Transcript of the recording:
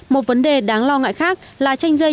một vấn đề đáng lo ngại khác là tranh dây